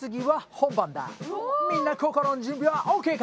みんな心の準備はＯＫかい？